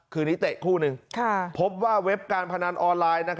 คืนนี้เตะคู่หนึ่งพบว่าเว็บการพนันออนไลน์